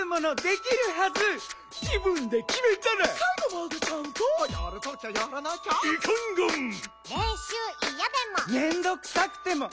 「めんどくさくても」